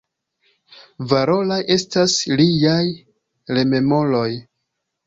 Valoraj estas liaj rememoroj.